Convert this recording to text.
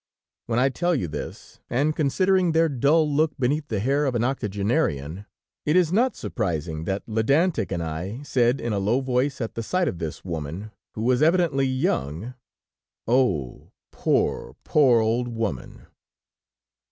When I tell you this, and considering their dull look beneath the hair of an octogenarian, it is not surprising that Ledantec and I said in a low voice at the sight of this woman, who was evidently young: "Oh! poor, poor old woman!"